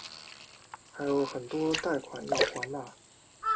还有很多贷款要还哪